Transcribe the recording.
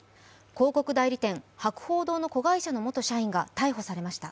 広告代理店・博報堂の子会社の元社員が逮捕されました。